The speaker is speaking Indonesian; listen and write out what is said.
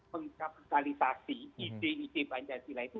mengkapitalisasi ide ide pancasila itu